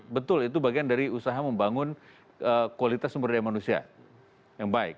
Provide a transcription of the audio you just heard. betul itu bagian dari usaha membangun kualitas sumber daya manusia yang baik